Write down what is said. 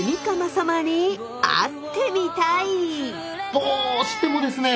どうしてもですね